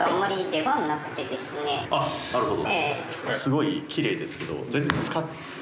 あっなるほど。